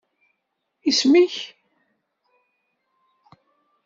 Isem-ik?